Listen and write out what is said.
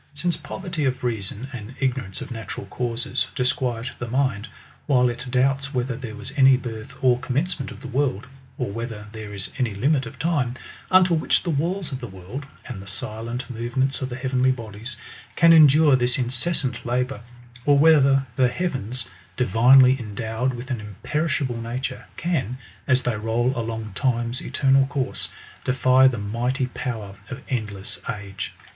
Since {toverty of reason, and iffnor ance of natural causes, disquiet the mind, while it doubts whether there was any birth, or commencement of the world, or whether there is any limit of time, qntil which the walls of the world,^ and the silent movements of the heavenly bodies, can endure this incessant labour; or whether the heavens, di vinely endow^ed with an imperishable nature,, can, as they roll along time'a eternal course, defy the mighty power of endless age.